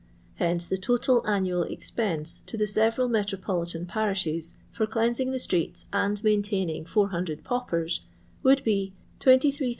hence the total annual expense to the several metropolitan parishes for cleansing the streets and maintaining 400 paupers would be 23,400/: + 5200